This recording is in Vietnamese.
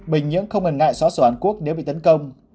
bình nhưỡng không ngần ngại xóa sổ hàn quốc nếu bị tấn công